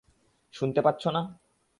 শুনতে পাচ্ছ না?